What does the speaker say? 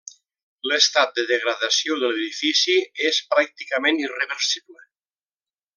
L'estat de degradació de l'edifici és pràcticament irreversible.